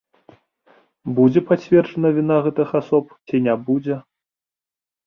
Будзе пацверджана віна гэтых асоб ці не будзе.